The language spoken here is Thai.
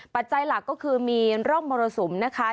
ปัจจัยหลักก็คือมีร่องมรสุมนะคะ